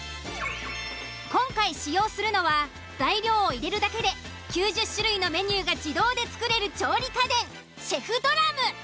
今回使用するのは材料を入れるだけで９０種類のメニューが自動で作れる調理家電。